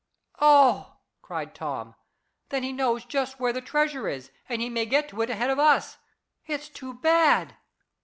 "Oh!" cried Tom. "Then he knows just where the treasure is, and he may get to it ahead of us. It's too bad."